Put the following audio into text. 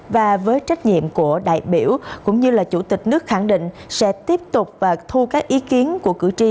và với trách nhiệm của đại biểu cũng như là chủ tịch nước khẳng định sẽ tiếp tục và thu các ý kiến của cử tri